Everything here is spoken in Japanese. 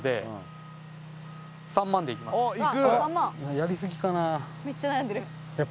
やり過ぎかな？